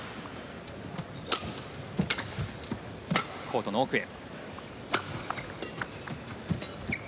コートの奥へ。